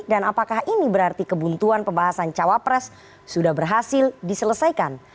dan apakah ini berarti kebuntuan pembahasan cawapres sudah berhasil diselesaikan